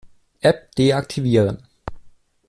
App deaktivieren.